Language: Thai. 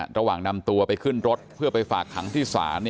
นำตัวไปขึ้นรถเพื่อไปฝากขังที่ศาล